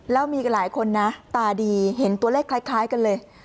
แล้วมีหลายคนนะตาดีเห็นตัวเลขคล้ายกันเลย